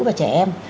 và trẻ em